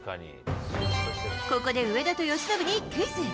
ここで上田と由伸にクイズ。